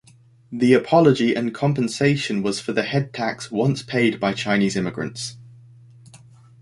The apology and compensation was for the head tax once paid by Chinese immigrants.